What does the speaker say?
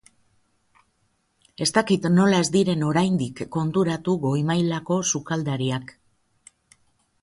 Ez dakit nola ez diren oraindik konturatu goi mailako sukaldariak.